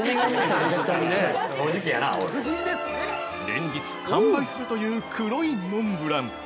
◆連日、完売するという黒いモンブラン。